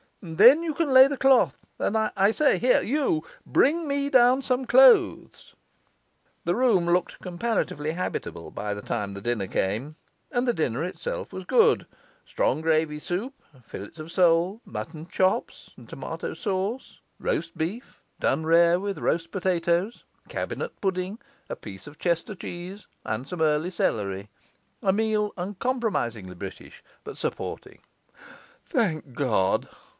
And then you can lay the cloth. And, I say here, you! bring me down some clothes.' The room looked comparatively habitable by the time the dinner came; and the dinner itself was good: strong gravy soup, fillets of sole, mutton chops and tomato sauce, roast beef done rare with roast potatoes, cabinet pudding, a piece of Chester cheese, and some early celery: a meal uncompromisingly British, but supporting. 'Thank God!